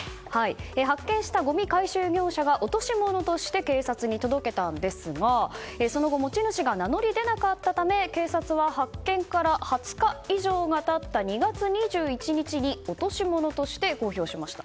発見したごみ回収業者が落とし物として警察に届けたんですがその後持ち主が名乗り出なかったため警察は、発見から２０日以上が経った２月２１日に落とし物として公表しました。